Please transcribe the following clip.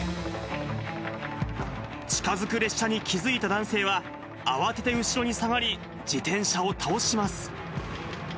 近づく列車に気付いた男性は、慌てて後ろに下がり、自転車を倒します。